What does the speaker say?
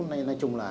nói chung là